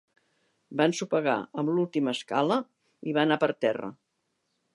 Va ensopegar amb l'última escala i va anar per terra.